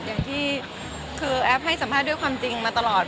อย่างที่คือแอฟให้สัมภาษณ์ด้วยความจริงมาตลอด